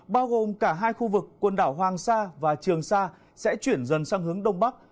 bao gồm cả hai khu vực quần đảo hoàng sa và trường sa sẽ chuyển dần sang hướng đông bắc